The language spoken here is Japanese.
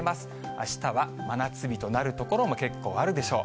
あしたは真夏日となる所も、結構あるでしょう。